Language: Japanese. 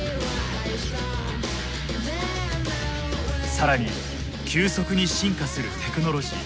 更に急速に進化するテクノロジー。